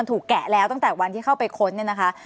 แกะแล้วตั้งแต่วันที่เข้าไปค้นเนี่ยนะคะ